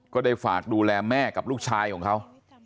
ก็ได้ฝากดูแลแม่กับลูกชายของเขา